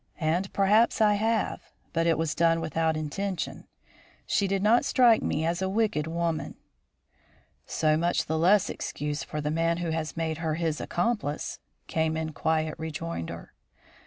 And perhaps I have; but it was done without intention. She did not strike me as a wicked woman." "So much the less excuse for the man who has made her his accomplice," came in quiet rejoinder.